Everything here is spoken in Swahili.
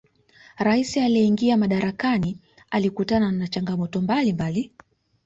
raisi aliyeingia madarakani alikutana na changamoto mbalimbali